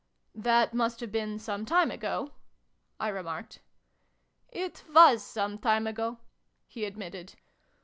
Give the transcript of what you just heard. That must have been some time ago ?" I remarked. " It was some time ago," he admitted.